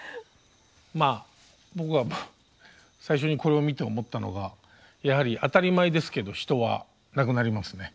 まあ僕は最初にこれを見て思ったのがやはり当たり前ですけど人は亡くなりますね。